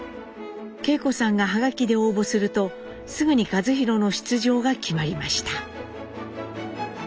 惠子さんがハガキで応募するとすぐに一寛の出場が決まりました。